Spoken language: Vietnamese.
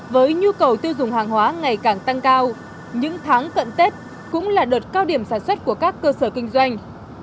với nhu cầu tiêu dùng hàng hóa ngày càng tăng cao những tháng cận tết cũng là đợt cao điểm sản xuất của các cơ sở kinh doanh